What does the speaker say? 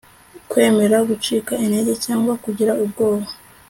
kwemera gucika intege cyangwa kugira ubwoba